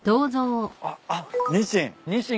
あっニシン。